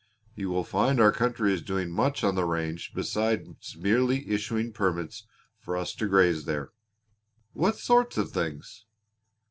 You will find our country is doing much on the range beside merely issuing permits for us to graze there." "What sort of things?"